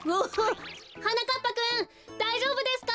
はなかっぱくんだいじょうぶですか？